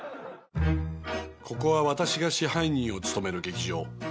ここは私が支配人を務める劇場。